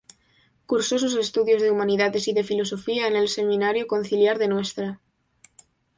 Cursó sus estudios de Humanidades y de Filosofía en el Seminario Conciliar de Ntra.